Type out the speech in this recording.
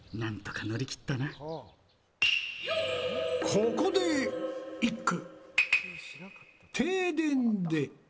ここで一句。